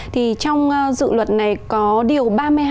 thì trong dự luật này có điều ba mươi hai